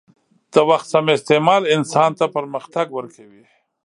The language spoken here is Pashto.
د وخت سم استعمال انسان ته پرمختګ ورکوي.